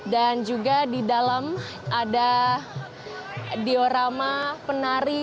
juga di dalam ada diorama penari